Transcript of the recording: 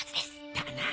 だな。